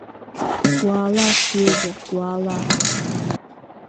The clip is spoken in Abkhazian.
Уаала, сҩыза, уаала!